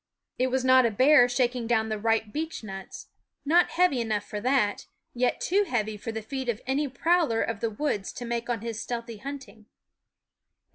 It was not a bear shaking down the ripe beechnuts not heavy enough for that, yet too heavy for the feet of any prowler of the woods to make on his stealthy hunt ing.